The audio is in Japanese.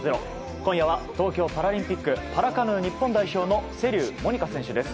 今夜は東京パラリンピックパラカヌー日本代表の瀬立モニカ選手です。